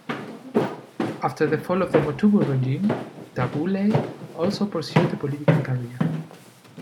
After the fall of the Mobutu regime, Tabu Ley also pursued a political career.